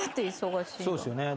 そうですよね。